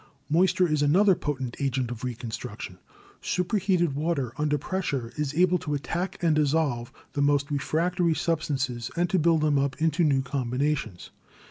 Moisture is another potent agent of reconstruction. 176 GEOLOGY Superheated water, under pressure, is able to attack and dissolve the most refractory substances and to build them up into new combinations.